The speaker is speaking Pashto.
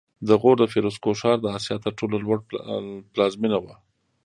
د غور د فیروزکوه ښار د اسیا تر ټولو لوړ پلازمېنه وه